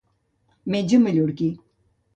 Metge mallorquí.